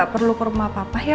kamu makan yang banyak ya